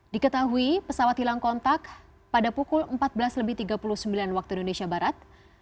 diketahui pesawat hilang kontak pada pukul empat belas tiga puluh sembilan waktu indonesia barat